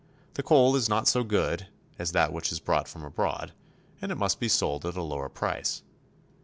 The coal is not so good as that which is brought from abroad, and it must be sold at a lower price.